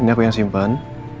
ini aku yang simpan